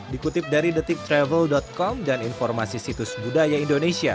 dikutip dari detik travel com dan informasi situs budaya indonesia